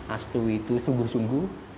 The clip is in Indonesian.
astu itu sungguh sungguh